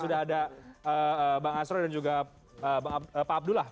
sudah ada bang asro dan juga pak abdullah